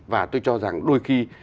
và tôi cho rằng đôi khi